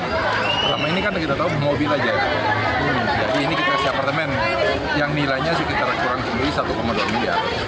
selama ini kan kita tahu mobil aja jadi ini kita kasih apartemen yang nilainya sekitar kurang sendiri satu dua miliar